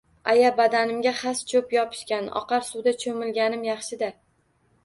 Aya, badanimga xas-cho`p yopishgan, oqar suvda cho`milganim yaxshi-da